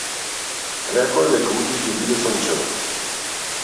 Рекоа дека утре ќе биде сончево.